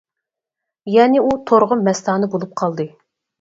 يەنى ئۇ تورغا مەستانە بولۇپ قالدى.